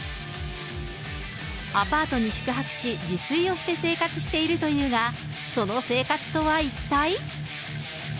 アパートに宿泊し、自炊をして生活しているというが、その生活とは一体？